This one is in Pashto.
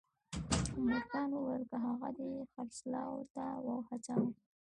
مورګان وویل که هغه دې خرڅلاو ته وهڅاوه